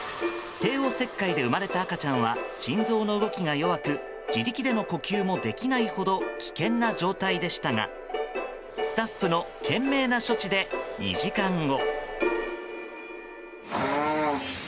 帝王切開で生まれた赤ちゃんは心臓の動きが弱く自力での呼吸もできないほど危険な状態でしたがスタッフの懸命な処置で２時間後。